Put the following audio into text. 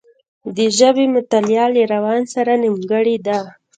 د ژبې مطالعه له روان سره نېمګړې ده